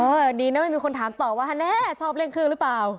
ดีนะไม่มีคนถามต่อว่าฮะแน่ชอบเล่นเครื่องหรือเปล่า